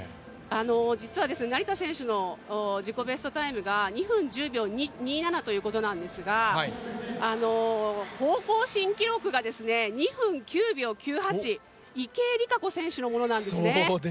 実は成田選手の自己ベストタイムが２分１０秒２７ということなんですが高校新記録が２分９秒９８、池江璃花子選手のものなんですね。